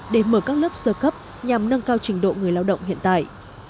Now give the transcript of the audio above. để mở các lớp sơ cấp nhằm nâng cao trình độ người lao động hiện tại